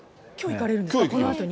きょう行かれるんですか？